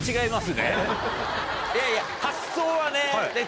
いやいや発想はね。